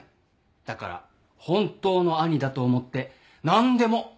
だから本当の兄だと思って何でも頼ってください。